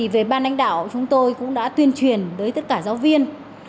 về ban đánh đạo chúng tôi cũng đã tuyên truyền tới tất cả giáo viên